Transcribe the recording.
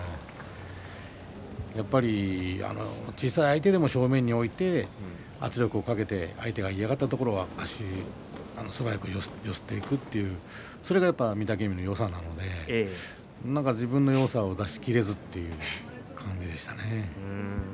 やっぱり小さい相手でも正面に置いて圧力をかけて相手が嫌がったところを素早く身を寄せて一気に体を寄せていくそれが御嶽海のよさなので自分のよさを出し切れずにそういう相撲でしたね。